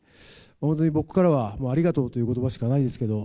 本当に僕からは、もうありがとうということばしかないですけど。